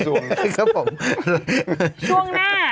สีวิต้ากับคุณกรนิดหนึ่งดีกว่านะครับแฟนแห่เชียร์หลังเห็นภาพ